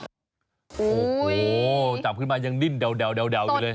โอ้โหจับขึ้นมายังดิ้นแดวอยู่เลย